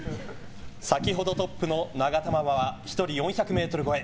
先ほどトップの永田ママは１人４００ｍ超え。